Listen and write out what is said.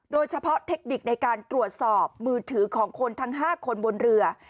โดยเฉพาะเทคนิคในการตรวจสอบมือถือของคนทั้งห้าคนบนเรือ